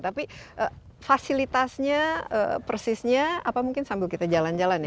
tapi fasilitasnya persisnya apa mungkin sambil kita jalan jalan ya